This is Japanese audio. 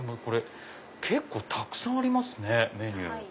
結構たくさんありますねメニュー。